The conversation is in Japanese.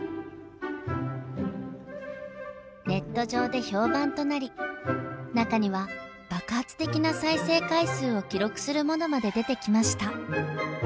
ネット上で評判となり中には爆発的な再生回数を記録するものまで出てきました。